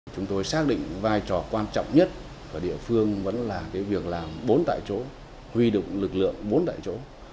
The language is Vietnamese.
chúng tôi xác định vai trò quan trọng nhất của địa phương vẫn là việc làm bốn tại chỗ huy động lực lượng bốn tại chỗ